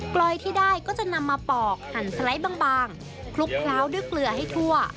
ลอยที่ได้ก็จะนำมาปอกหั่นสไลด์บางคลุกเคล้าด้วยเกลือให้ทั่ว